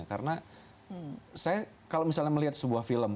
karena saya kalau misalnya melihat sebuah film